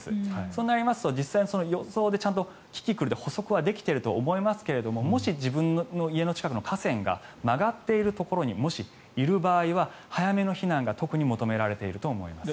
そうなりますと実際に予想でキキクルで捕捉はできていると思いますがもし、自分の家の近くの河川が曲がっているところにもしいる場合は早めの避難が特に求められていると思います。